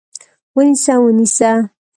ونیسه! ونیسه!